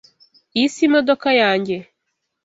Iyi si imodoka yanjye.